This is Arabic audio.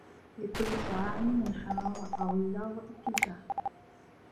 لكل شعاع منحى وطويلة و إتجاه